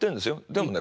でもね